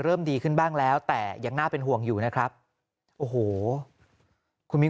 ดีขึ้นบ้างแล้วแต่ยังน่าเป็นห่วงอยู่นะครับโอ้โหคุณมิ้น